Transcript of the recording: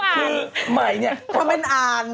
คือใหม่เนี่ยถ้าเป็นอ่าน